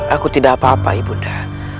aku tidak apa apa ibu anda